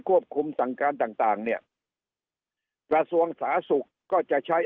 ควบคุมสังการต่างเนี้ยกระสวงสาศุกก็จะใช้